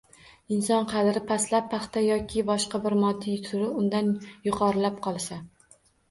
Inson qadri pastlab, paxta yoki boshqa bir moddiyat turi undan yuqorilab qolsa